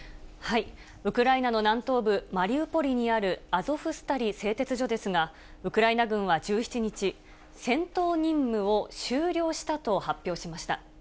ウクライナの南東部マリウポリにあるアゾフスタリ製鉄所ですが、ウクライナ軍は１７日、戦闘任務を終了したと発表しました。